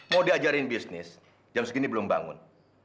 mau diajarin bisnis jam segini belum bangun